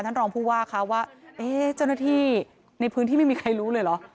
ท่านรองผู้ว่าคะว่าเจ้าหน้าที่ในพื้นที่ไม่มีใครรู้เลยเหรอ